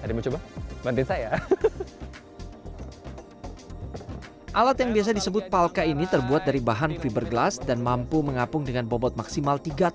ada yang mau coba bantuin saya